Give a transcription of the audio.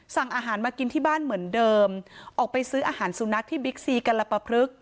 สั่งอาหารมากินที่บ้านเหมือนเดิมออกไปซื้ออาหารสุนัขที่บิ๊กซีกัลปะพลึก